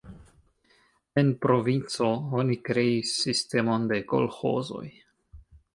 En provinco oni kreis sistemon de kolĥozoj.